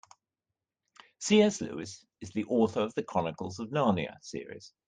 C.S. Lewis is the author of The Chronicles of Narnia series.